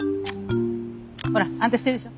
ほらあんた知ってるでしょ？